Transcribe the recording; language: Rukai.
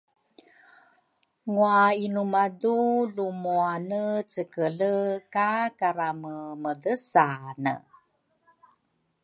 ngwa inu madu lu muane cekele ka Karamemedesane?